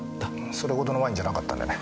それほどのワインじゃなかったんでね。